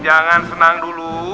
jangan senang dulu